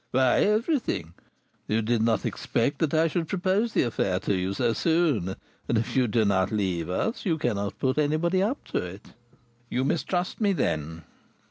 "Why, everything. You did not expect that I should propose the affair to you so soon, and if you do not leave us you cannot put anybody up to it." "You mistrust me, then?"